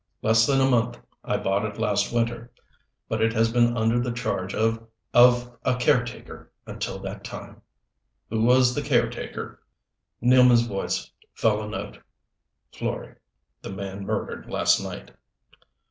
"Less than a month. I bought it last winter, but it has been under the charge of of a caretaker until that time." "Who was the caretaker?" Nealman's voice fell a note. "Florey the man murdered last night."